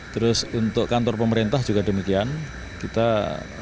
terus untuk kantor pemerintah juga demikian kita